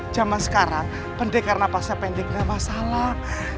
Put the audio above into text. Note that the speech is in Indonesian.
zaman sekarang pendeka nafasnya pendek nggak masalah